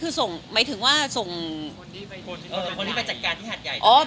คือส่งหมายถึงว่าส่งคนที่ไปจัดการที่หัดใหญ่